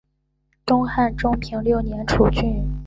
东汉中平六年诸郡。